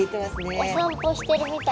お散歩してるみたい。